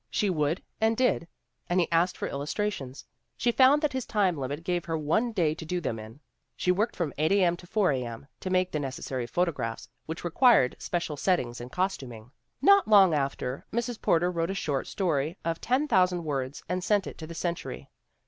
She would, and did, and he asked for illustrations. She found that his time limit gave her one day to do them in. She worked from 8 A. M. to 4 A. M. to make the necessary photographs, which required special settings and costuming. Not long after, Mrs. Porter wrote a short story of 10,000 words and sent it to the Century.